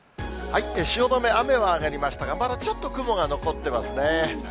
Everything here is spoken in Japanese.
汐留、雨は上がりましたが、まだちょっと雲が残ってますね。